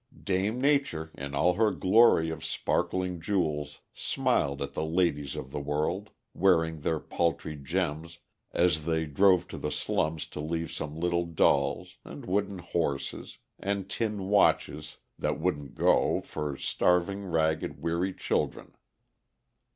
Dame Nature in all her glory of sparkling jewels smiled at the ladies of the world, wearing their paltry gems, as they drove to the slums to leave some little dolls, and wooden horses, and tin watches that wouldn't go, for starving, ragged, weary children.